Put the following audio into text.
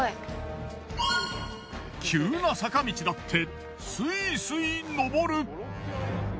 急な坂道だってスイスイ上る。